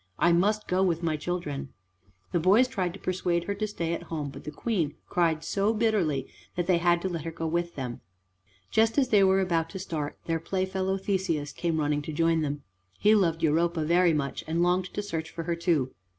I must go with my children." The boys tried to persuade her to stay at home, but the Queen cried so bitterly that they had to let her go with them. Just as they were about to start, their playfellow Theseus came running to join them. He loved Europa very much, and longed to search for her too.